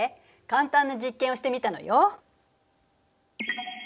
簡単な実験をしてみたのよ。